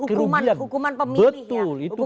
itu hukuman pemilih ya